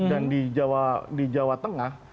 dan di jawa tengah